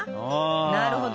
なるほど。